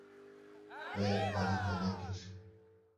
Wê alî te nekir.